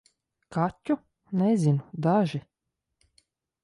Kaķu? Nezinu - daži.